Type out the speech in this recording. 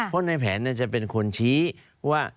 เพราะในแผนจะเป็นคนชี้ว่า